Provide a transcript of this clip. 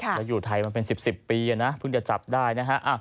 และอยู่ไทยมาเป็น๑๐ปีเพิ่งจะจับได้